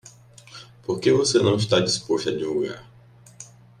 Por que você não está disposto a divulgar?